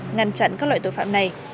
ngăn chặn các loại tội phạm này